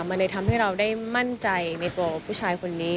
มันเลยทำให้เราได้มั่นใจในตัวผู้ชายคนนี้